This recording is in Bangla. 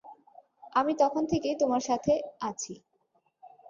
আমি তখন থেকেই তোমার সাথে আছি।